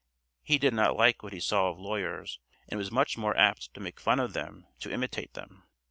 He did not like what he saw of lawyers, and was much more apt to make fun of than to imitate them.